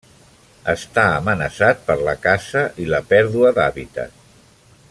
Està amenaçat per la caça i la pèrdua d'hàbitat.